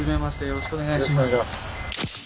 よろしくお願いします。